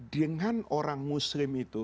dengan orang muslim itu